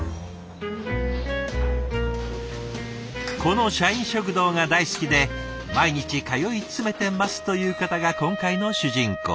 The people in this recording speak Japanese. この社員食堂が大好きで毎日通い詰めてますという方が今回の主人公。